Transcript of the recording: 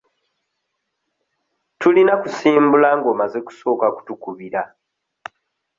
Tulina kusimbula nga omaze kusooka kutukubira.